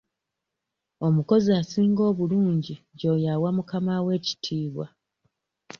Omukozi asinga obulungi y'oyo awa mukaamawe ekitiibwa.